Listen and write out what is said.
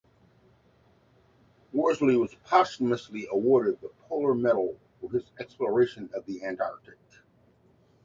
Worsley was posthumously awarded the Polar Medal for his exploration of the Antarctic.